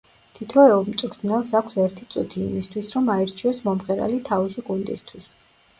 თითოეულ მწვრთნელს აქვს ერთი წუთი, იმისთვის, რომ აირჩიოს მომღერალი თავისი გუნდისთვის.